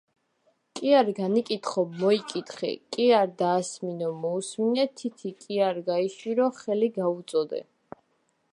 კი არ განიკითხო; მოიკითხე. კი არ დაასმინო, მოუსმინე. თითი კი არ გაიშვირო, ხელი გაუწოდე.